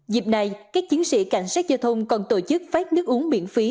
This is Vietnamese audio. dịp này các chiến sĩ cảnh sát giao thông còn tổ chức phát nước uống miễn phí